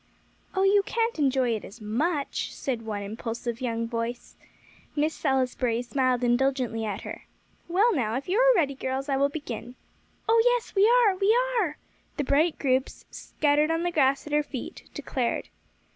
"Oh, you can't enjoy it as much," said one impulsive young voice. Miss Salisbury smiled indulgently at her. "Well, now, if you are ready, girls, I will begin." "Oh, yes, we are we are," the bright groups, scattered on the grass at her feet, declared.